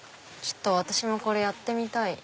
私もこれやってみたい。